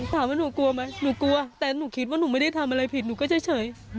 ถามว่าหนูกลัวไหมหนูกลัวแต่หนูคิดว่าหนูไม่ได้ทำอะไรผิดหนูก็เฉย